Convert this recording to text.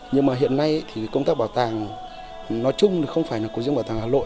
nhưng mà hiện nay thì công tác bảo tàng nói chung không phải là của riêng bảo tàng hà nội